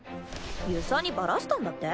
遊佐にバラしたんだって？